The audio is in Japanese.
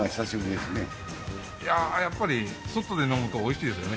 やっぱり、外で飲むとおいしいですよね。